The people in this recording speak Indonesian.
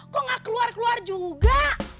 kok gak keluar keluar juga